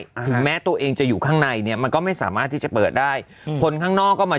ถึงแม้ตัวเองจะอยู่ข้างในเนี้ยมันก็ไม่สามารถที่จะเปิดได้อืมคนข้างนอกก็มา